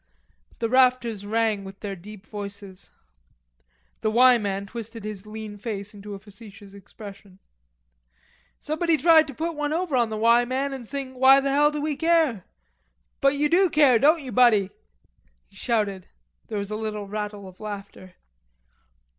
The rafters rang with their deep voices. The "Y" man twisted his lean face into a facetious expression. "Somebody tried to put one over on the 'Y' man and sing 'What the hell do we care?' But you do care, don't you, Buddy?" he shouted. There was a little rattle of laughter.